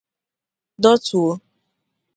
dọtuo